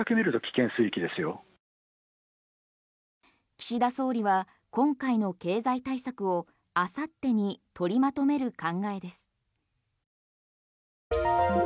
岸田総理は今回の経済対策をあさってに取りまとめる考えです。